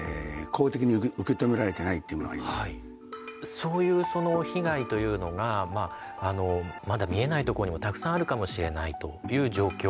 そういう被害というのがまだ見えないところにもたくさんあるかもしれないという状況。